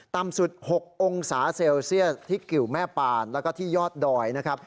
ต่ำสุด๖องศาเซลเซียสที่กิวแม่ปานแล้วก็ที่ยอดดอยนะครับ